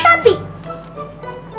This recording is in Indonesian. tapi caranya tuh gimana